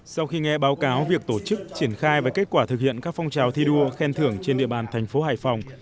sau khi nghe báo cáo việc tổ chức triển khai và kết quả thực hiện các phong trào thi đua khen thưởng trên địa bàn thành phố hải phòng